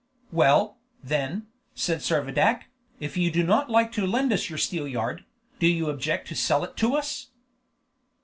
"Well, then," said Servadac, "if you do not like to lend us your steelyard, do you object to sell it to us?"